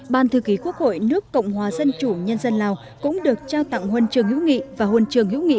ban thư ký quốc hội nước cộng hòa dân chủ nhân dân lào cũng được trao tặng huân trường hữu nghị